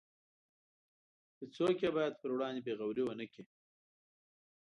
هیڅوک یې باید پر وړاندې بې غورۍ ونکړي.